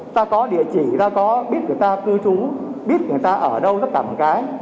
ta có địa chỉ ta có biết người ta cư trú biết người ta ở đâu tất cả một cái